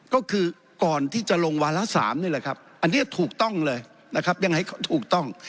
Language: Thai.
ก็คือก่อนที่จะลงวาระ๓นี่แหละครับอันนี้ถูกต้องเลยนะครับยังไงถูกต้อง